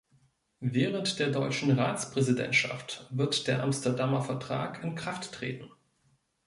Während der deutschen Ratspräsidentschaft wird der Amsterdamer Vertrag in Kraft treten.